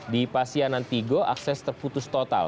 di pasianantigo akses terputus total